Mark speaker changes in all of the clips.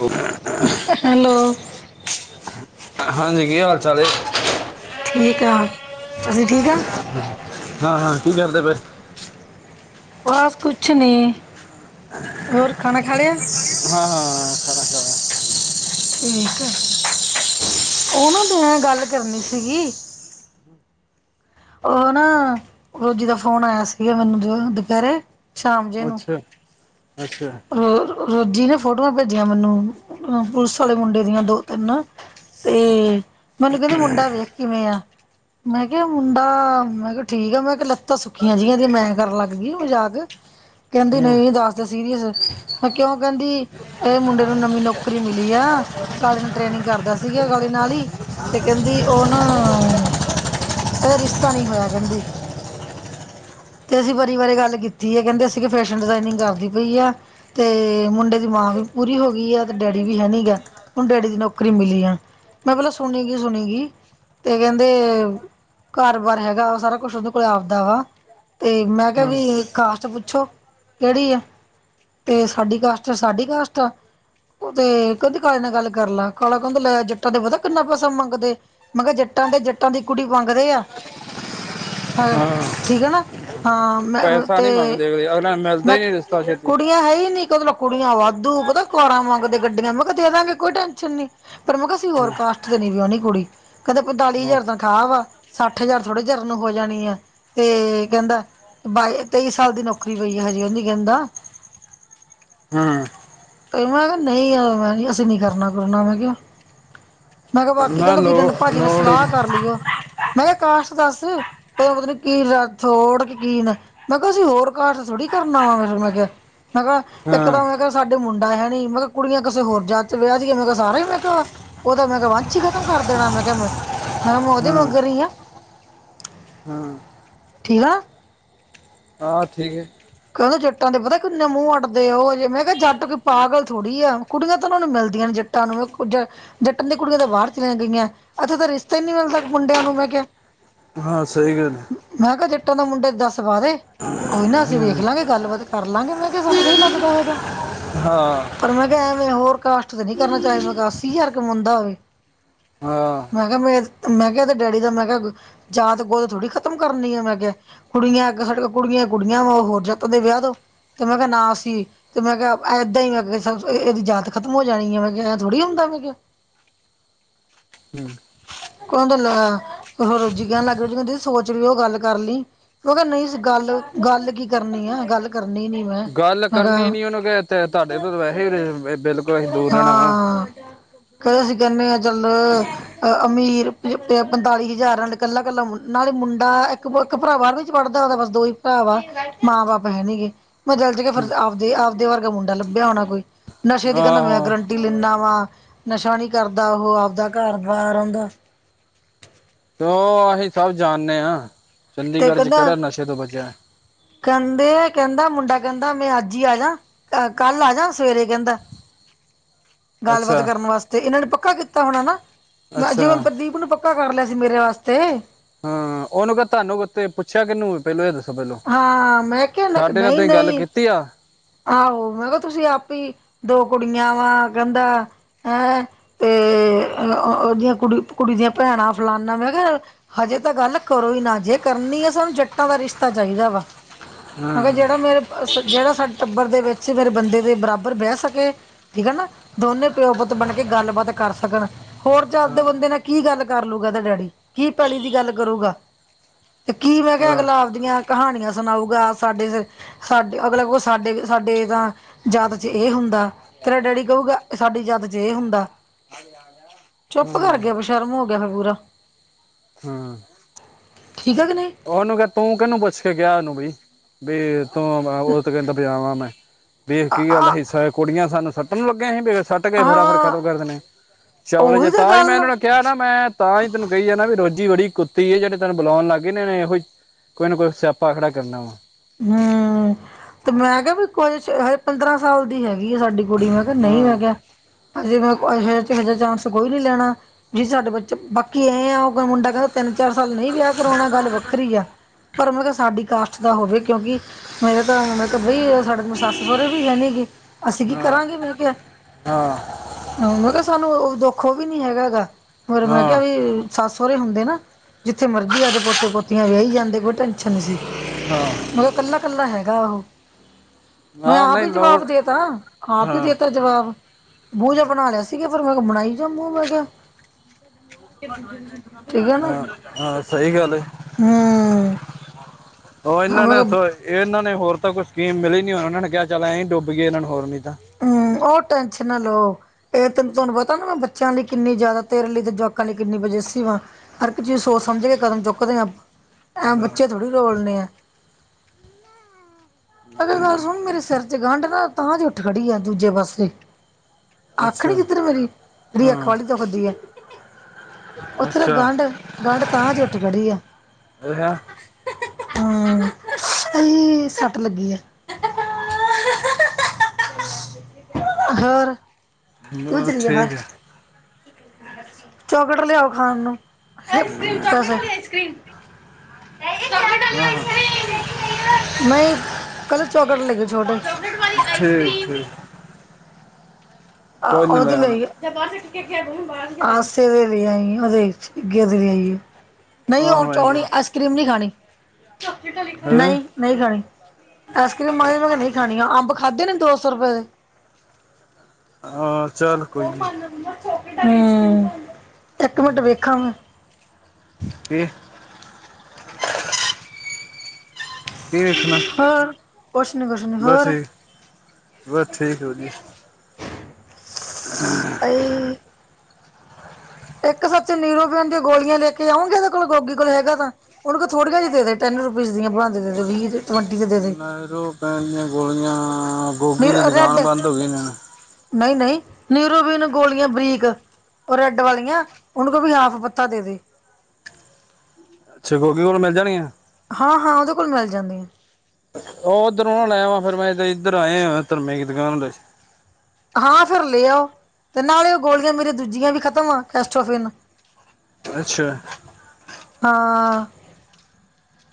Speaker 1: ਓੋ
Speaker 2: hello
Speaker 1: ਹਾਂਜੀ ਕੀ ਹਾਲ ਚਾਲ ਏ?
Speaker 2: ਠੀਕ ਆ ਤੁਸੀਂ ਠੀਕ ਆ
Speaker 1: ਹਾਂ ਹਾਂ ਕੀ ਕਰਦੇ ਪਏ
Speaker 2: ਬਸ ਕੁਛ ਨੀ ਹੋਰ ਖਾਣਾ ਖਾ ਲਿਆ
Speaker 1: ਹਾਂ ਹਾਂ ਖਾਣਾ ਖਾਇਆ
Speaker 2: ਠੀਕ ਆ ਉਹ ਨਾ ਤ ਗੱਲ ਕਰਨੀ ਸੀਗੀ ਉਹ ਨਾ ਰੋਜ਼ੀ ਦਾ ਫੋਨ ਆਇਆ ਸੀਗਾ ਮੈਨੂੰ ਜੋ ਦੁਪਹਿਰੇ
Speaker 1: ਅੱਛਾ ਅੱਛਾ
Speaker 2: ਰੋ ਰੋਜ਼ਜੀ ਨੇ ਫੋਟੋਆਂ ਭੇਜੀਆਂ ਮੈਨੂੰ, ਪੁਲਿਸ ਵਾਲੇ ਮੁੰਡੇ ਦੀਆਂ ਦੋ- ਤਿੰਨ ਤੇ ਮੈਨੂੰ ਕਹਿੰਦੀ ਮੁੰਡਾ ਵੇਖ ਕਿਵੇਂ ਆ, ਮੈਂ ਕਿਹਾ ਮੁੰਡਾ, ਮੈਂ ਕਿਹਾ ਠੀਕ ਆ ਮੈਂ ਕਿਹਾ ਲੱ ਤਾਂ ਸੁੱਖੀਆਂ ਜਿਹੀਆਂ ਦੀਆਂ ਮੈਂ ਕਰਨ ਲੱਗ ਗਈ ਉਹ ਮਜਾਕ, ਕਹਿੰਦੀ
Speaker 1: ਹੂੰ
Speaker 2: ਨਹੀਂ ਦੱਸਦੇ ਸੀਰੀਅਸ ਮੈਂ ਕਿਉਂ ਕਹਿੰਦੀ ਇਹ ਮੁੰਡੇ ਨੂੰ ਨਵੀਂ ਨੌਕਰੀ ਮਿਲੀ ਆ, ਕਾਲੇ ਨੂੰ ਟ੍ਰੇਨਿੰਗ ਕਰਦਾ ਸੀਗਾ ਕਾਲੇ ਨਾਲ ਹੀ ਤੇ ਕਹਿੰਦੀ ਉਹ ਨਾ ਇਹ ਰਿਸ਼ਤਾ ਨਹੀਂ ਹੋਇਆ ਕਹਿੰਦੀ ਤੇ ਅਸੀਂ ਬਾਰੀ ਵਾਰੀ ਗੱਲ ਕੀਤੀ ਹੈ ਕਹਿੰਦੇ ਅਸੀਂ ਕਿ ਫੈਸ਼ਨ ਡਿਜ਼ਾਇਨਿੰਗ ਕਰਦੀ ਪਈ ਆ ਤੇ ਮੁੰਡੇ ਦੀ ਮਾਂ ਵੀ ਪੂਰੀ ਹੋ ਗਈ ਆ ਤੇ ਡੈਡੀ ਵੀ ਹੈਨੀ ਗਾ ਉਹਨੂੰ ਡੈਡੀ ਦੀ ਨੌਕਰੀ ਮਿਲੀ ਆ, ਮੈਂ ਪਹਿਲੇ ਸੁਣੀ ਗਈ- ਸੁਣੀ ਗਈ, ਤੇ ਕਹਿੰਦੇ ਘਰ ਬਾਰ ਹੈਗਾ, ਸਾਰਾ ਕੁਛ ਉਹਦੇ ਕੋਲ ਆਪਦਾ ਵਾ ਤੇ ਮੈਂ ਕਿਹਾ
Speaker 1: ਹੂੰ
Speaker 2: ਵੀ, ਕਾਸਟ ਪੁੱਛੋ, ਕਿਹੜੀ ਆ ਤੇ ਸਾਡੀ ਕਾਸਟ, ਸਾਡੀ ਕਾਸਟ ਆ ਤੇ ਕਹਿੰਦੇ ਕਾਲੇ ਨੇ ਗੱਲ ਕਰ ਲੈ, ਕਾਲਾ ਕਹਿੰਦਾ, ਲੈ ਜੱਟਾਂ ਤੇ ਪਤਾ ਕਿੰਨਾ ਪੈਸਾ ਮੰਗਦੇ ਮੈਂ ਕਿਹਾ ਜੱਟਾਂ ਤੇ ਜੱਟਾਂ ਦੀ ਕੁੜੀ ਮੰਗਦੇ ਆ, ਹ
Speaker 1: ਹਾਂ
Speaker 2: ਠੀਕ ਹੈ ਨਾ ਹਾਂ, ਮੈਂ ਤੇ
Speaker 1: ਫਿਰ ਅਗਲਾ ਮਿਲ
Speaker 2: ਮੈਂ, ਕੁੜੀ ਹੈ ਹੀ ਨੀ, ਕਹਿੰਦੇ ਕੁੜੀਆਂ ਵਾਧੂ, ਪਤਾ ਕਾਰਾਂ ਮੰਗਦੇ ਗੱਡੀਆਂ, ਮੈਂ ਕਿਹਾ ਦੇ ਦਵਾਂਗੇ, ਕੋਈ ਟੈਨਸ਼ਨ ਨੀ ਪਰ ਮੈਂ ਕਿਹਾ ਅਸੀਂ ਹੋਰ
Speaker 1: ਹੂੰ
Speaker 2: ਕਾਸਟ ਤੇ ਨੀ ਵਿਆਉਣੀ ਕੁੜੀ ਕਹਿੰਦੇ ਪੰਤਾਲੀ
Speaker 1: ਹੂੰ
Speaker 2: ਹਜ਼ਾਰ ਤਨਖਾਹ ਵਾ, ਸੱਠ ਹਜ਼ਾਰ ਥੋੜੇ ਚਿਰ ਨੂੰ ਹੋ ਜਾਣੀ ਆ, ਤੇ ਕਹਿੰਦਾ ਬਾਈ ਤੇਈ ਸਾਲ ਦੀ ਨੌਕਰੀ ਪਈ ਹੈ, ਹਜੇ ਉਹਦੀ ਕਹਿੰਦਾ
Speaker 1: ਹੂੰ
Speaker 2: ਮੈਂ ਕਿਆ ਨਈ ਯਰ ਐ ਅਸੀਂ ਨੀ ਕਰਨਾ ਕੁਰਨਾ ਮੈਂ ਕਿਆ। ਮੈਂ ਕਿਆ ਬਾਕੀ
Speaker 1: ਨਾ
Speaker 2: ਕੈਂਦਾ
Speaker 1: ਲੋ
Speaker 2: ਵੀਰ ਭਾਜੀ ਨਾਲ
Speaker 1: ਲੋੜ ਹੀ
Speaker 2: ਸਲਾਹ
Speaker 1: ਨਹੀਂ
Speaker 2: ਕਰ ਲੀਓਂ, ਮੈਂ ਕਿਆ ਕਾਸਟ ਦੱਸ। ਪਤਾ ਨ ਕੀ ਰਾਥੋੜ ਕੇ ਕੀ ਨਾ ਮੈਂ ਕਿਹਾ, ਅਸੀਂ ਹੋਰ ਕਾਸਟ ਥੋੜੀ ਕਰਨਾ ਵਾ ਮੇ ਮੈਂ ਕਿਹਾ। ਹੈਗਾ
Speaker 1: ਹਾਂ
Speaker 2: ਇੱਕਦਮ ਮ ਹੈਗਾ ਸਾਡੇ ਕਹਿੰਦੇ ਮੁੰਡਾ ਹੈ ਨੀ, ਮੈਂ ਕਿਹਾ ਕੁੜੀਆਂ ਕਿਸੇ ਹੋਰ ਜਾਤ 'ਚ ਵਿਆਹ ਦੇਈਆਂ, ਮੈਂ ਕਿਹਾ ਸਾਰਾ ਹੀ ਮੈਂ ਕਿਹਾ ਉਹਦਾ ਮੈਂ ਕਿਹਾ ਵੰਸ ਹੀ ਖਤਮ ਕਰ ਦੇਣਾ ਮੈਂ ਕਿਹਾ ਮੈਂ, ਉਹਦੇ ਮਗਰ ਹੀ ਹਾਂ
Speaker 1: ਹਮ ਹਾਂ ਠੀਕ ਏ
Speaker 2: ਕਹਿੰਦੇ ਜੱਟਾਂ ਦੇ ਪਤਾ ਕਿੰਨੇ ਮੂੰਹ ਅੱਡਦੇ ਉਹਜੇ, ਮੈਂ ਕਿਹਾ ਜੱਟ ਕੋਈ ਪਾਗਲ ਥੋੜ੍ਹੀ ਆ, ਕੁੜੀਆਂ ਤਾਂ ਉਹਨਾ ਨੂੰ ਮਿਲਦੀਆਂ ਨੇ ਜੱਟਾਂ ਤੁਹਾਨੂੰ ਮੈਂ ਕੁੱਝ ਜੱਟਾਂ ਦੀਆਂ ਕੁੜੀਆਂ ਤਾਂ ਬਾਹਰ ਚੱਲੀਆਂ ਗਈਆਂ, ਇੱਥੇ ਤਾਂ ਰਿਸ਼ਤਾ ਹੀ ਨਹੀਂ ਮਿਲਦਾ ਮੁੰਡਿਆਂ ਨੂੰ ਮੈਂ ਕਿਹਾ
Speaker 1: ਹਾਂ ਸਹੀ ਗੱਲ ਹੈ
Speaker 2: ਮੈਂ ਕਿਹਾ ਜੱਟਾ ਦਾ ਮੁੰਡੇ ਦੱਸ ਪਾ ਦੇ, ਕੋਈ ਨਾ ਅਸੀਂ ਵੇਖ ਦੇਖ ਲਵਾਂਗੇ ਗੱਲਬਾਤ ਕਰ ਲਵਾਂਗੇ ਮੈਂ ਕਿਹਾ ਸਾਨੂੰ ਸਹੀ ਲੱਗਦਾ ਹੋਇਆ ਤਾਂ
Speaker 1: ਹਾਂ
Speaker 2: ਪਰ ਮੈਂ ਕਿਹਾ, ਐਵੇਂ ਹੋਰ ਕਾਸਟ ਤਾਂ ਨਹੀਂ ਕਰਨਾ, ਚਾਹੇ ਮੈਂ ਕਿਹਾ ਅੱਸੀ ਹਜ਼ਾਰ ਕਮਉਦਾ ਹੋਵੇ
Speaker 1: ਹਾਂ
Speaker 2: ਮੈਂ ਕਿਹਾ ਮੈਂ ਮੈਂ ਕਿਹਾ ਇਹਦੇ ਡੈਡੀ ਦਾ ਮੈਂ ਕਿਹਾ ਜਾਤ ਗੋਦ ਥੋੜੀ ਖਤਮ ਕਰਨੀ ਆ ਮੈਂ ਕਿਆ, ਕੁੜੀਆਂ ਸਾਡੇ ਕੋਲ ਕੁੜੀਆਂ ਕੁੜੀਆਂ ਵਾ ਹੋਰ ਜਾ ਤ ਦੇ ਵਿਆਹ, ਦੋ ਤੇ ਮੈਂ ਕਿਹਾ ਨਾ ਅਸੀਂ ਤੇ ਮੈਂ ਕਿਹਾ ਏਦਾਂ ਹੀ, ਮੈਂ ਕਿਹਾ ਇਹਦੀ ਜਾਤ ਖਤਮ ਹੋ ਜਾਣੀ ਹੈ। ਮੈਂ ਕਿਹਾ ਥੋੜ੍ਹੀ ਹੁੰਦਾ ਮੈਂ ਕਿਹਾ।
Speaker 1: ਹੂੰ
Speaker 2: ਕੈਂਦੇ ਲੈ, ਮਹਾਂ ਰੋਜ਼ੀ ਕਹਿਣ ਲੱਗ ਰਈ ਕੈਂਦੀ ਸੋਚ ਲਿਓ ਗੱਲ ਕਰ ਲੀ। ਓ ਕਿਆ ਨਈ ਸੀ ਗੱਲ, ਗੱਲ ਕੀ ਕਰਨੀ ਆ ਗੱਲ ਕਰਨੀ ਨੀ ਮੈਂ,
Speaker 1: ਗੱਲ
Speaker 2: ਮੈਂ ਕਾ,
Speaker 1: ਕਰਨੀ ਨੀ ਉਹਨੂੰ ਕਿ ਤੁਹਾਡੇ ਤੋਂ ਵੈਸੇ ਵੀ ਬਿਲਕੁਲ ਅਸੀਂ ਦੂਰ ਰਹਿਣਾ ਵਾ
Speaker 2: ਹਾਂ ਕੈਂਦੇ ਅਸੀਂ ਕਹਿੰਨੇ ਆਂ ਚੱਲ ਅਮੀਰ ਪੰਤਾਲੀ ਹਜ਼ਾਰ ਨਾਲ ਕੱਲਾ-ਕੱਲਾ ਨਾਲੇ ਮੁੰਡਾ ਇੱਕ ਇੱਕ ਭਰਾ ਬਾਰਵੀਂ ਚ ਪੜ੍ਹਦਾ ਓਦੇ ਬਸ ਦੋ ਹੀ ਭਰਾ ਵਾ, ਮਾਂ-ਬਾਪ ਹੈਨੀਂ ਗੇ। ਮੈਂ ਦਿਲ ਚ ਕੇ ਫਿਰ ਆਪਦੇ, ਆਪਦੇ ਵਰਗਾ ਮੁੰਡਾ ਲੱਭਿਆ ਹੋਣਾ ਕੋਈ ਨਸ਼ੇ ਦੀ ਕੈਂਦਾ ਮੈਂ
Speaker 1: ਆਹੋ
Speaker 2: ਗਰੰਟੀ ਲਿੰਨਾ ਵਾ, ਨਸ਼ਾ ਨੀ ਕਰਦਾ ਓਹ ਆਪਦਾ ਘਰ ਬਾਰ ਓਦਾ।
Speaker 1: ਓ ਅਸੀਂ ਸਭ ਜਾਨਨੇ ਆਂ,
Speaker 2: ਤੇ
Speaker 1: ਚੰਡੀਗੜ੍ਹ ਚ
Speaker 2: ਕਹਿੰਦਾ
Speaker 1: ਕੇੜਾ ਨਸ਼ੇ ਤੋਂ ਬਚਿਆ।
Speaker 2: ਕਹਿੰਦੇ ਕਹਿੰਦਾ ਮੁੰਡਾ ਕਹਿੰਦਾ, ਮੈਂ ਅੱਜ ਹੀ ਆਜਾ ਅ ਕੱਲ ਆਜਾ ਸਵੇਰੇ ਕਹਿੰਦਾ। ਗੱਲਬਾਤ
Speaker 1: ਅੱਛਾ
Speaker 2: ਕਰਨ ਵਾਸਤੇ, ਇਹਨਾਂ ਨੇ ਪੱਕਾ ਕੀਤਾ ਹੋਣਾ ਨਾਂ
Speaker 1: ਅੱਛਾ
Speaker 2: ਜਿਵੇਂ ਪ੍ਰਦੀਪ ਨੂੰ ਪੱਕਾ ਪੱਕਾ ਕਰ ਲਿਆ ਸੀ ਮੇਰੇ ਵਾਸਤੇ
Speaker 1: ਹਾਂ ਉਹ ਨੂੰ ਗ ਤੁਹਾਨੂੰ ਉਥੇ ਪੁੱਛਣ ਪੁਛਿਆ ਕਿਨੂੰ ਪਹਿਲੋਂ ਏਹ ਦੱਸੋ ਮੈਨੂੰ,
Speaker 2: ਹਾਂ ਮੈਂ ਕਿਹਾ
Speaker 1: ਸਾਡੇ ਨਾਲ
Speaker 2: ਨਹੀਂ
Speaker 1: ਤੁਸੀਂ ਗੱਲ
Speaker 2: ਨਹੀਂ
Speaker 1: ਕੀਤੀ ਆ।
Speaker 2: ਆਹੋ ਮੈਂ ਕਿਹਾ ਤੁਸੀਂ ਆਪ ਹੀ ਦੋ ਕੁੜੀਆਂ ਵਾ ਕਹਿੰਦਾ ਹੈਂ ਤੇ ਉਹਦੀਆਂ ਕੁੜੀ ਕੁੜੀ ਦੀਆਂ ਭੈਣਾਂ ਫਲਾਨਾ ਮੈਂ ਕਿਹਾ ਹਜੇ ਤਾਂ ਗੱਲ ਕਰੋ ਈ ਨਾ ਜੇ ਕਰਨੀ ਆ ਸਾਨੂੰ ਜੱਟਾਂ ਦਾ ਰਿਸ਼ਤਾ ਚਾਈਦਾ ਵਾ। ਮੈਂ
Speaker 1: ਹਾਂ
Speaker 2: ਕਿਆ ਜੇੜਾ ਮੇਰੇ ਜੇੜਾ ਸਾਡੇ ਟੱਬਰ ਦੇ ਵਿੱਚ ਮੇਰੇ ਬੰਦੇ ਦੇ ਬਰਾਬਰ ਬੈ ਸਕੇ। ਠੀਕ ਹੈ ਨਾ ਦੋਨੇ ਪਿਓ-ਪੁੱਤ ਬਣ ਕੇ ਗੱਲਬਾਤ ਕਰ ਸਕਣ। ਹੋਰ ਚੱਜ ਦੇ
Speaker 1: ਹਾਂ
Speaker 2: ਬੰਦੇ ਨਾ ਕੀ ਗੱਲ ਕਰ ਲੂਗਾ? ਏਦਾ ਡੈਡੀ ਕੀ ਪੈਲੀ ਦੀ ਗੱਲ ਕਰੂਗਾ! ਤੇ ਕੀ ਮੈਂ ਕਿਆ
Speaker 1: ਹਾਂ
Speaker 2: ਅਗਲਾ ਆਪ ਦੀਆਂ ਕਹਾਣੀਆਂ ਸੁਨਾਊਗਾ ਸਾਡੇ-ਸਾਡੇ ਅਗਲਾ ਕੁਛ ਸਾਡੇ-ਸਾਡੇ ਤਾਂ ਜਾਤ ਚ' ਇਹ ਹੁੰਦਾ। ਤੇਰਾ ਡੈਡੀ ਕਉਗਾ ਸਾਡੀ ਜਾਤ ਚ ਏ ਹੁੰਦਾ।
Speaker 1: [unintelligible]
Speaker 2: ਚੁੱਪ ਕਰ ਗੇਆ ਬਸ਼ਰਮ ਹੋ ਗੇਆ ਫੇਰ ਪੂਰਾ
Speaker 1: ਹੂੰ
Speaker 2: ਠੀਕ ਆ ਕਿ ਨਈ।
Speaker 1: ਉਹਨੂੰ ਕਹਿ, ਤੂੰ ਕਿਹਨੂੰ ਪੁੱਛ ਕੇ ਗਿਆ ਉਹਨੂੰ ਬਈ। [unintelligible] ਕੁੜੀਆਂ ਸਾਨੂੰ ਸੁੱਟਣ ਜੋਗੇ ਜੀ ਬਈ ਸੁਟ ਕੇ ਫਿਰ ਫਟਾ ਫਟ
Speaker 2: ਹਾਂ
Speaker 1: ਖਤਮ ਕਰਦੇ ਨੇ, ਚਵਲ ਜੇ
Speaker 2: ਉਹੀ
Speaker 1: ਤਾਂ ਹੀ ਮੈਂ
Speaker 2: ਗੱਲ ਆ
Speaker 1: ਇਹਨਾਂ। ਕਿਹਾ ਨਾ ਮੈਂ ਤਾਂ ਹੀ ਤੈਨੂੰ ਕਹੀ ਹੈ ਨਾ ਵੀ ਰੋਜ਼ੀ ਬੜੀ ਕੁੱਤੀ ਹੈ ਜਿਹੜੇ ਤੈਨੂੰ ਬੁਲਾਉਣ ਲੱਗ ਗਈ ਨੀ ਇਹੋ ਹੀ। ਕੋਈ ਨਾ ਕੋਈ ਸਿਆਪਾ ਖੜਾ ਕਰਨਾ ਵਾ।
Speaker 2: ਹਮ, ਤੇ ਮੈਂ ਕਿਹਾ ਵੀ ਕੋਈ ਜੇ। ਪੰਦਰਾਂ ਸਾਲ ਦੀ ਹੈਗੀ ਆ ਸਾਡੀ ਕੁੜੀ ਮੈਂ ਕਿਹਾ ਨਹੀਂ ਮੈਂ
Speaker 1: ਹਾਂ
Speaker 2: ਕਿਹਾ ਹਜੇ ਮੈਂ ਹਾ ਚਾਂਸ ਕੋਈ ਨੀ ਲੈਣਾ ਜੀ ਸਾਡੇ ਬੱਚੇ ਬਾਕੀ ਐਏ ਆ ਓ ਮੁੰਡਾ ਕੈਂਦਾ ਤਿੰਨ ਚਾਰ ਸਾਲ ਨਈ ਵਿਆਹ ਕਰਾਓਣਾ ਗੱਲ ਵੱਖਰੀ ਐ, ਪਰ ਮੈਂ ਕਿਆ ਸਾਡੀ ਕਾਸਟ ਦਾ ਹੋਵੇ। ਕਿਉਂਕਿ ਮੇਰੇ ਤਾਂ ਮਤ ਬਈ ਸਾਡੇ ਸੱਸ-ਸਹਰੇ ਵੀ ਹੈ ਨਹੀਂ ਹੈਨੀ ਗਏ। ਅਸੀਂ ਕੀ
Speaker 1: ਹਾਂ
Speaker 2: ਕਰਾਂਗੇ ਮੈਂ ਕਿਹਾ,
Speaker 1: ਹਾਂ
Speaker 2: ਹਾ, ਮੈਂ ਕਿਹਾ ਸਾਨੂੰ ਉਦੋ ਖੋ ਵੀ ਨੀ ਹੈਗਾ ਹੈਗਾ ਹੋਰ ਮੈਂ ਕਿਹਾ
Speaker 1: ਹਾਂ
Speaker 2: ਵੀ ਸੱਸ-ਸਹਰੇ ਹੁੰਦੇ ਨਾ। ਜਿੱਥੇ ਮਰਜੀ ਆਦੇ ਪੋਤੇ-ਪੋਤੀਆਂ ਵਿਆਈ ਜਾਂਦੇ ਕੋਈ ਟੈਨਸ਼ਨ ਨੀ ਸੀ।
Speaker 1: ਹਾਂ।
Speaker 2: ਮਤਬ ਕੱਲਾ-ਕੱਲਾ ਹੈਗਾ ਉਹ। ਮੈਂ
Speaker 1: ਹਾਂ
Speaker 2: ਆਪ
Speaker 1: ਨਹੀਂ
Speaker 2: ਈ
Speaker 1: ਲੋੜ
Speaker 2: ਜਵਾਬ ਦੇਤਾ, ਹਾਪ ਈ
Speaker 1: ਹਾਂ
Speaker 2: ਦੇਤਾ ਜਵਾਬ। ਮੂੰਹ ਜਾ ਬਣਾ ਲਿਆ ਸੀਗਾ, ਫੇਰ ਮੈਂ ਬਣਾਈ ਜਾ ਮੂੰਹ ਮੈਂ ਕਿਆ। ਠੀਕ ਹੈ ਨਾ।
Speaker 1: ਹਾਂ ਹਾਂ ਸਹੀ ਗੱਲ ਹੈ
Speaker 2: ਹੂੰ
Speaker 1: ਉਹ
Speaker 2: ਹਾਂ
Speaker 1: ਇਹਨਾਂ ਨੇ
Speaker 2: ਮੈਂ ਕਿਹਾ
Speaker 1: ਸ ਇਹਨਾਂ ਨੇ ਹੋਰ ਤਾਂ ਕੋਈ ਸਕੀਮ ਮਿਲੀ ਨੀ ਹੋਣ ਉਹਨਾਂ ਨੇ ਕਿਹਾ ਚੱਲ ਐ ਡੋਬੀਏ ਇਹਨਾਂ ਨੂੰ ਹੋਰ ਨੀ ਤਾਂ।
Speaker 2: ਹਮ, ਉਹ ਟੈਨਸ਼ਨ ਨਾ ਲਓ। ਇਹ ਤੈਨੂੰ, ਤੁਹਾਨੂੰ ਪਤਾ ਨਾ ਮੈਂ ਬੱਚਿਆਂ ਲਈ ਕਿੰਨੀ ਜ਼ਿਆਦਾ ਤੇਰੇ ਲਈ ਤੇ ਜਵਾਕਾਂ ਲਈ ਕਿੰਨੀ ਪੌਸੇਸਿਵ ਆਂ। ਹਰ ਇੱਕ ਚੀਜ਼ ਸੋਚ ਸਮਝ ਕੇ ਕਦਮ ਚੁੱਕਦੇ ਹਾਂ, ਐਂ
Speaker 1: ਹਾਂ
Speaker 2: ਬੱਚੇ ਥੋੜ੍ਹੀ ਰੋਲਣੇ ਆ। ਅਗਰ ਗੱਲ ਸੁਣ ਮੇਰੇ ਸਿਰ 'ਚ ਗੰਢ ਨਾ ਤਾਂ 'ਚ ਉੱਠ ਖੜੀ ਆ ਦੂਜੇ ਪਾਸੇ।
Speaker 1: ਅੱਛਾ ਹਾਂ
Speaker 2: [unintelligible] ਉਹ
Speaker 1: ਅੱਛਾ
Speaker 2: ਗੰਢ, ਗੰਢ ਤਾਂ 'ਚ ਉਠ ਖੜੀ ਹੈ
Speaker 1: ਰਿਹਾ
Speaker 2: ਹਮ ਹਮ। ਭੁੱਖ ਲੱਗੀ ਆ, ਹੋਰ।
Speaker 1: ਹਮ, ਠੀਕ ਹੈ।
Speaker 2: ਚੌਕਲਟ ਲਿਆਓ ਖਾਣ ਨੂੰ, ਆਈਸਕ੍ਰੀਮ ਚੌਕਲੇਟ ਵਾਲੀ ਆਈਸਕ੍ਰੀਮ।
Speaker 1: ਹਮ-ਹਮ।
Speaker 2: ਨਹੀਂ ਕੱਲੀ ਚੌਕਲੇਟ ਲੈਕੇ ਆ, ਛੋਟੇ ਚੌਕਲੇਟ ਵਾਲੀ ਆਈਸ
Speaker 1: ਠੀਕ
Speaker 2: ਕਰ੍ਰੀਮ।
Speaker 1: ਠੀਕ
Speaker 2: ਆ
Speaker 1: ਕੋਈ ਨੀ
Speaker 2: ਓਦੇ
Speaker 1: ਲੈ ਆਣਾ
Speaker 2: ਲਈ [unintelligible] ਨਈ ਉਹ
Speaker 1: ਆਹੋ ਐਂ
Speaker 2: ਚਾਉਣੀ
Speaker 1: ਕਰ
Speaker 2: ਆਈਸਕਰ੍ਰੀਮ ਨੀ ਖਾਣੀ ਚੋਕਲੇਟ ਵਾਲੀ
Speaker 1: ਹੈਂ
Speaker 2: ਨਈ ਨਈ ਖਾਣੀ। ਆਈਸਕ੍ਰੀਮ ਮੈਂ ਕਿਹਾ ਨਈ ਖਾਣੀਆਂ ਅੰਬ ਖਾਧੇ ਨੇ ਦੋ ਸੌ ਰੁਪਏ ਦੇ।
Speaker 1: ਹਾਂ ਅੱਛਾ।
Speaker 2: ਹੂੰ। ਇੱਕ ਮਿੰਟ ਵੇਖਾਂ ਮੈਂ
Speaker 1: [inaudible] ਕੀ। ਕੀ ਵੇਖਣਾ।
Speaker 2: ਹੋਰ ਕੁਛ ਨੀ ਕੁਛ ਨੀ
Speaker 1: ਬਸ
Speaker 2: ਹੋਰ।
Speaker 1: ਠੀਕ ਬਸ ਠੀਕ ਵਧੀਆ
Speaker 2: ਆਏ। ਇੱਕ ਸੱਚ ਨਿਊਰੋਬੇਨ ਦੀਆਂ ਗੋਲੀਆਂ ਲੈ ਕੇ ਆਉਂਗੇ। ਓਦੇ ਕੋਲੋ ਗੋਗੀ ਕੋਲ ਹੈਗਾ ਤਾਂ। ਓਨੂੰ ਕੈ ਥੋੜੀਆਂ ਜੀ ਦੇਦੇ ਟੈਨ ਰੁਪੀਜ਼ ਦੀਆ ਬਣਾਂਕੇ ਦੇਦੇ ਵੀਹ ਟਵੰਟੀ ਦੇ ਦੇ ਦੇ
Speaker 1: ਨੇਇਰੋਪੈਨ ਦੀਆਂ ਗੋਲੀਆਂ ਗੋਗੀ ਦੀ ਦੁਕਾਨ ਬੰਦ ਹੋਗੀ ਹੁਣ।
Speaker 2: ਨਹੀਂ-ਨਹੀਂ ਨਿਊਰੋਬੀਨ ਗੋਲੀਆਂ ਬਰੀਕ। ਓ ਰੈੱਡ ਵਾਲੀਆਂ ਉਨੂੰ ਕਿਹ ਵੀ ਹਾਫ ਪੱਤਾ ਦ-ਦੇ।
Speaker 1: ਅੱਛਾ, ਗੋਗੀ ਕੋਲੋ ਮਿਲ ਜਾਣਗੀਆਂ।
Speaker 2: ਹਾਂ-ਹਾਂ ਉਹਦੇ ਕੋਲ ਮਿਲ ਜਾਂਦੀਐ।
Speaker 1: ਓਧਰੋ ਨਾ ਲੈ ਆਵਾ ਫਿਰ ਮੈ ਐਧਰ ਆਏ ਆਂ ਧਰਮੇ ਦੀ ਦੁਕਾਨ ਤੇ।
Speaker 2: ਹਾਂ, ਫੇਰ ਲੇ ਆਓ ਤੇ ਨਾਲੇ ਓਗੋਲੀਆਂ ਮੇਰੀਆਂ ਦੂਜੀਆਂ ਵੀ ਖਤਮ ਆ ਕੈਸਟੋਫਿਨ।
Speaker 1: ਅੱਛਾ
Speaker 2: ਹਾਂ।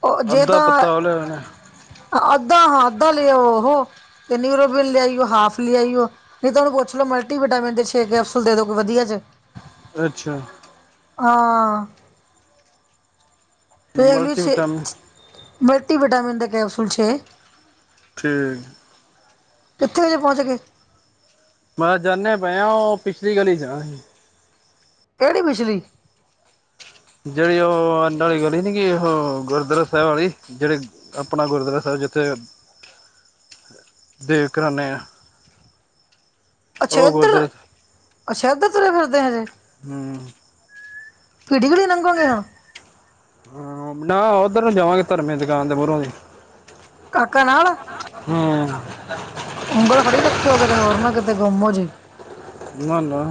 Speaker 2: ਉਹ ਜੇ
Speaker 1: ਅੱਧਾ
Speaker 2: ਤਾਂ
Speaker 1: ਪਤਾ ਉਹ ਲੈ ਆਣਾ।
Speaker 2: ਅੱਧਾ ਹਾਂ ਅੱਧਾ ਲੈ ਆਓ ਉਹ ਨਿਊਰੋਬੀਨ ਲੈ ਆਈਓ ਹਾਫ ਲੈ ਆਈਓ। ਨਈ ਤਾ ਓਨੂੰ ਪੁੱਛ ਲਓ। ਮਲਟੀਵਟਾਮਿਨ ਦੇ ਛੇ ਕੈਪਸੂਲ ਦੇਦੋ ਕੋਈ ਵਧੀਆ ਜੇ
Speaker 1: ਅੱਛਾ।
Speaker 2: ਹਾਂ। ਵੇਖਲੀ ਛੇ
Speaker 1: ਮਲਟੀਵਿਟਾਮਿਨ
Speaker 2: ਮਲਟੀਵਿਟਾਮਨ ਦੇ ਕੈਪਸੂਲ ਛੇ।
Speaker 1: ਠੀਕ।
Speaker 2: ਕਿੱਥੇ ਜੇ ਪਹੁੰਚ ਗੇ।
Speaker 1: ਬਸ ਜਾਨੇ ਪਏ ਆਂ ਓ ਪਿਛਲੀ ਗਲੀ ਚ ਆ ਅਸੀ।
Speaker 2: ਕੇੜੀ ਪਿਛਲੀ।
Speaker 1: ਜੇੜੀ ਓ ਐਡਂ ਆਲੀ ਗਲੀ ਨੀ ਗੀ। ਉਹ ਗੁਰਦੁਆਰਾ ਸਾਹਿਬ ਆਲੀ ਜੇੜੀ। ਆਪਣਾ ਗੁਰਦੁਆਰਾ ਸਾਹਿਬ ਜਿੱਥੇ।
Speaker 2: [unintelligible]
Speaker 1: ਦੇਗ ਕਰਾਨੇ ਆ।
Speaker 2: ਅੱਛਾ
Speaker 1: ਉਹ ਗੁਰਦੁਆਰਾ
Speaker 2: ਏਧਰ-ਅੱਛਾ ਏਧਰ ਤੁਰੇ ਫਿਰਦੇ ਹਜੇ।
Speaker 1: ਹੂੰ
Speaker 2: ਭੀੜੀ ਗਲੀ ਲਗੋਗੇ ਹੁਣ।
Speaker 1: ਹੂੰ, ਨਾ ਓਦਰ ਨੂੰ ਜਾਵਾਂਗੇ ਧਰਮੇ ਦੀ ਦੁਕਾਨ ਦੇ ਮੂਰੋਂ ਦੀ।
Speaker 2: ਕਾਕਾ ਨਾਲ ਐ
Speaker 1: ਹੂੰ।
Speaker 2: ਉਗਂਲ ਫੜੀ ਰੱਖਿਓ ਕਿਤੇ ਹੋਰ ਨਾ ਕਿਤੇ ਗੁੰਮ ਹੋਜੇ।
Speaker 1: ਨਾ-ਨਾ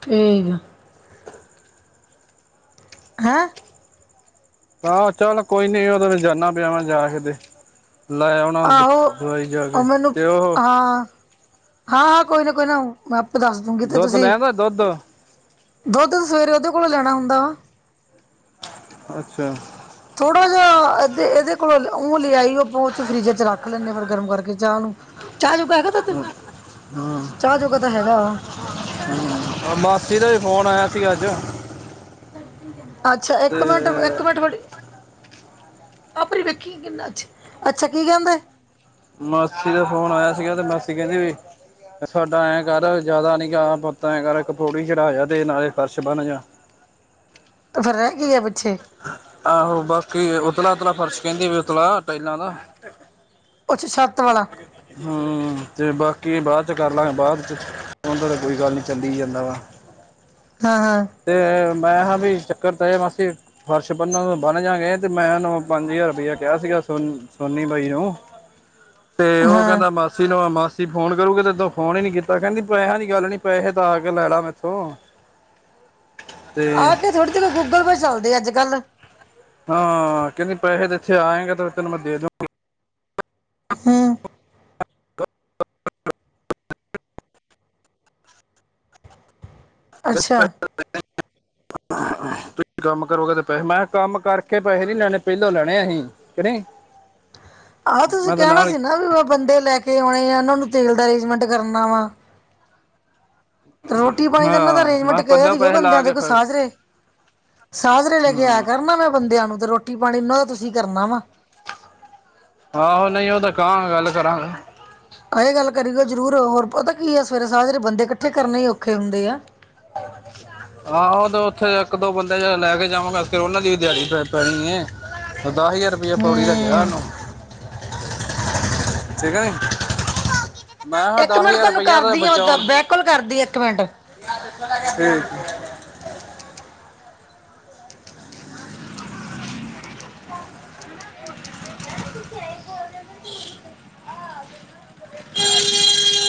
Speaker 2: ਠੀਕ ਆ। ਹੈਂ।
Speaker 1: ਆਹੋ, ਚੱਲ ਕੋਈ ਨੀ ਓ ਤੇ ਜਾਨਾ ਪਿਆ। ਮੈ ਜਾਕੇ ਤੇ ਲੈ ਆਉਨਾ ਉਦਰ
Speaker 2: ਆਹੋ
Speaker 1: ਦਵਾਈ ਜਾਕੇ
Speaker 2: ਉਹ ਮੈਨੂੰ
Speaker 1: ਤੇ ਉਹੋ
Speaker 2: ਹਾਂ, ਹਾਂ, ਹਾਂ ਕੋਈ ਨਾ-ਕੋਈ ਨਾ ਮੈ ਆਪੇ ਦੱਸਦੂਗੀ ਤੇ
Speaker 1: ਦੁੱਧ
Speaker 2: ਤੁਸੀ
Speaker 1: ਲੈ ਆਂਦਾ ਦੁੱਧ
Speaker 2: ਦੁੱਧ ਸਵੇਰੇ ਉਹਦੇ ਕੋਲੋ ਲੈਣਾ ਹੁੰਦਾ ਵਾ।
Speaker 1: ਅੱਛਾ।
Speaker 2: ਥੋੜਾ ਜਿਹਾ ਇਹਦੇ ਇਹਦੇ ਕੋਲ ਉਹ ਦੁਧ ਲੇ ਆਈ। ਆਪਾਂ ਫਰਿਜ 'ਚ ਰੱਖ ਲੈਦੇ ਫਿਰ ਗਰਮ ਕਰਕੇ ਚਾਹ ਨੂੰ। ਚਾਹ ਜੋਗਾ ਹੈਗਾ ਦੁਧ
Speaker 1: ਹਾਂ
Speaker 2: ਚਾਹ ਜੋੋਗਾ ਤਾਂ ਹੈਗਾ ਵਾ।
Speaker 1: ਕਿਦਾ ਫ਼ੋਨ ਆਇਆ ਸੀਗਾ ਅੱਜ।
Speaker 2: ਅੱਛਾ
Speaker 1: ਤੇ
Speaker 2: ਇੱਕ ਮਿੰਟ। ਮੈਂਟ ਡੇ ਆਪਣੀ ਵੇਖੀ ਕਿੰਨਾ ਅਛਾ- ਅਛਾ ਕੀ ਕਹਿੰਦਾ?
Speaker 1: ਮਾਸੀ ਦਾ ਫੋਨ ਆਇਆ ਸੀਗਾ। ਤੇ ਮਾਸੀ ਕਹਿਦੀ ਵੀ। ਸਾਡਾ ਐਕਰ ਜ਼ਿਆਦਾ ਨੀਗ ਪੁਤ ਐ ਕਰ। ਕੇ ਪੌੜੀ ਚੜਾ ਜਾ ਤੇ ਨਾਲੇ ਫਰਸ਼ ਬਣ ਆ।
Speaker 2: ਤੇ ਫਿਰ ਰੈ ਗੀ ਐ ਪਿੱਛੇ।
Speaker 1: ਆਹੋ ਬਾਕੀ ਉਤਲਾ- ਉਤਲਾ ਫਰਸ਼ ਕਹਿਦੀ ਵੀ। ਉਤਲਾ ਟਾਇਲਾਂ ਦਾ।
Speaker 2: ਪੱਤ ਸਤ।
Speaker 1: ਹਮ। [inaudible] ਹੂੰ ਤੇ ਬਾਕੀ ਬਾਅਦ 'ਚ ਕਰ ਲਾਂਗੇ ਬਾਅਦ 'ਚ। ਉਹਦਾ ਤੇ ਕੋਈ ਗੱਲ ਨੀ ਚੱਲ ਜਾਦਾ ਵਾ।
Speaker 2: ਹਾਂ।
Speaker 1: ਤੇ ਮੈ ਹਾਂ ਵੀ ਚੱਕਰ ਤਾਂ ਇਹ ਮਾਸੀ। ਫਰਸ਼ ਪੰੰਨਾਂ ਤੋਂ ਬਣ ਜਾਗੇ ਤੇ। ਮੈਂ ਉਹ ਪੰਜ ਹਜ਼ਾਰ ਰੁਪਇਆ ਕਿਹਾ ਸੀਗਾ ਸੋਨ ਸੋਨੀ ਬਾਈ ਨੂੰ।
Speaker 2: ਹ [inaudible]
Speaker 1: ਤੇ ਉਹ ਕਹਿਦਾ ਮਾਸੀ। ਚ ਮਾਸੀ ਫੋਨ ਕਰੂਗੇ ਤੇਦੋਂ ਫੋਨ ਹੀ ਨੀ ਕੀਤਾ ਕਹਿਦੀ। ਪੈਸਿਆਂ ਦੀ ਗੱਲ ਨੀ ਪੈਸੇ ਤਾਂ ਆ ਕੇ ਲੈਲਾ ਮੈਥੋ।
Speaker 2: ਆ ਕੇ ਥੋੜ੍ਹੀ ਜ ਗੂਗਲ ਪੇੲ ਚੱਲਦੇ ਆ ਅੱਜ - ਕੱਲ।
Speaker 1: ਹਾਂ ਕਹਿਦੀ ਪੈਸੇ ਤਾਂ। ਇਥੇ ਆਏਗਾ ਤਾਂ ਤੈਨ ਮੈਂ ਦੇਦੁ।
Speaker 2: ਹਮ।
Speaker 1: ।
Speaker 2: ਅੱਛਾ
Speaker 1: ਕੰਮ ਕਰੋਗੇ ਤੇ ਪੈਸੇ ਮੈਂ ਕਿਹਾ ਕੰਮ ਕਰਕੇ ਪੈਸੇ ਨੀ ਲੈਣੇ। ਪਹਿਲੋਂ ਲੈਣੇ ਅਸੀਂ ਕੀ ਨਹੀਂ।
Speaker 2: ਆਹੋ ਤੁਸੀਂ
Speaker 1: ਮੈਂ ਤਾਂ
Speaker 2: ਕਹਿਣਾ
Speaker 1: ਨਾਲ
Speaker 2: ਸੀ ਨਾ ਵੀ ਬੰਦੇ ਲੈ ਕੇ ਆਉਣੇ ਆ। ਉਹਨਾਂ ਨੂੰ ਤੇਲ ਦਾ ਅਰੇਂਜਮੈਂਟ ਕਰਨਾ ਵਾ। ਰੋਟੀ - ਪਾਣੀ ਦਾ ਇਹਨਾਂ ਦਾ
Speaker 1: ਹਾਂ
Speaker 2: ਅਰੇਂਜਮੈਂਟ
Speaker 1: ਮੈਂ
Speaker 2: ਕਿਹਾ
Speaker 1: ਪੱਲੋਂ
Speaker 2: ਸੀਗਾ
Speaker 1: ਪੈਸੇ ਲਾ
Speaker 2: ਬੰਦਿਆਂ ਦੇ
Speaker 1: ਕੇ
Speaker 2: ਕੋਈ
Speaker 1: ਫਿਰ
Speaker 2: ਸਾਜ ਰਹੇ। ਸਾਜਰੇ ਲੈ ਕੇ ਆਇਆ
Speaker 1: ਹੂੰ
Speaker 2: ਕਰਨਾ। ਮੈ ਬੰਦਿਆਂ ਨੂੰ ਤੇ ਰੋਟੀ ਪਾਣੀਨਾਂ ਦਾ ਤੁਸੀ ਕਰਨਾ ਵਾ।
Speaker 1: ਆਹੋ ਨਹੀ ਉਹ ਤਾਂ ਕਹਾਂਗਾ ਗੱਲ ਕਰਾਂਗੇ।
Speaker 2: ਆ ਇਹ ਗੱਲ ਕਰੀ ਗਾ ਜ਼ਰੂਰ ਹੋਰ ਪਤਾ ਕੀ ਆ। ਸਵੇਰੇ ਸਾਹ ਸਾਰੇ ਬੰਦੇ ਇਕੱਠੇ ਕਰਨੇ ਹੀ ਔਖੇ ਹੁੰਦੇ ਆ।
Speaker 1: ਹ। [unintelligible] ਆਹੋ। ਉਹ ਤੇ ਉਥੇ ਇਕ ਦੋ ਬੰਦੇ ਲੈ ਕੇ ਜਾਵਾਂਗੇ ਕਰ। ਉਹਨਾਂ ਦੀ ਵੀ ਦਿਹਾੜੀ ਪੈਣੀ। ਦਸ [unintelligible] ਹਜ਼ਾਰ। ਰੁਪਈਆ ਪੌੜੀ ਦਾ ਗਿਆ [unintelligible]
Speaker 2: ਹੂੰ
Speaker 1: ਉਹਨੂੰ ਠੀਕ ਹੈ। ਨੀ ਮੈ ਕਿਹਾ
Speaker 2: ਇੱਕ
Speaker 1: ਦਸ
Speaker 2: ਮਿੰਟ
Speaker 1: ਹਜ਼ਾਰ [unintelligible]
Speaker 2: ਤੁਹਾਨੂੰ
Speaker 1: ਰੁਪਈਆ ਦਾ
Speaker 2: ਕਰਦੀ ਆ
Speaker 1: ਬਚਾ।
Speaker 2: ਮੈਂ
Speaker 1: ਹੁਣ
Speaker 2: ਬੈਕ ਕਾਲ ਕਰਦੀ ਇਕ -ਮਿੰਟ।
Speaker 1: ਹਮ। [unintelligible]
Speaker 2: ਤੁਸੀ ਆਏ ਬੋਲ ਰੇਏ।